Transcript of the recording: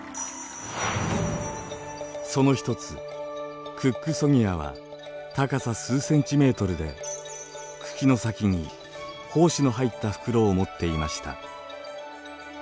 その一つクックソニアは高さ数センチメートルで茎の先に胞子の入った袋を持っていました。